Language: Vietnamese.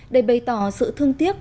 để bày tỏ sự thương tiếc